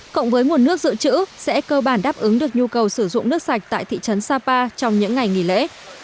cộng với nguồn nước dự trữ sẽ cơ bản đáp ứng được nhu cầu sử dụng nước sạch tại thị trấn sapa trong những ngày nghỉ lễ